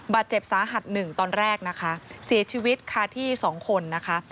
บาดเจ็บสาหัสหนึ่งตอนแรกนะคะเสียชีวิตค่ะที่สองคนนะคะ